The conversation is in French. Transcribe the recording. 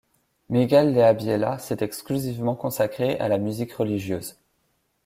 Miguel de Ambiela s'est exclusivement consacré à la musique religieuse.